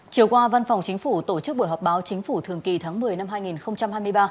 chiều qua văn phòng chính phủ tổ chức buổi họp báo chính phủ thường kỳ tháng một mươi năm hai nghìn hai mươi ba